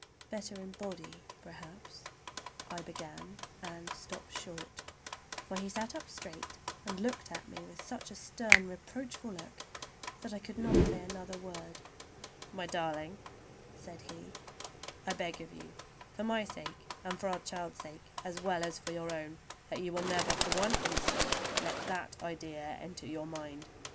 "Better in body perhaps"—I began, and stopped short, for he sat up straight and looked at me with such a stern, reproachful look that I could not say another word. "My darling," said he, "I beg of you, for my sake and for our child's sake, as well as for your own, that you will never for one instant let that idea enter your mind!